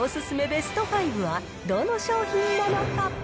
ベスト５はどの商品なのか。